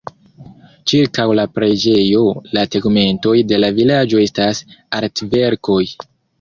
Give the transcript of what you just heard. Ĉirkaŭ la preĝejo, la tegmentoj de la vilaĝo estas artverkoj.